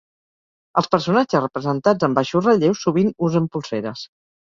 Els personatges representats en baixos relleus sovint usen polseres.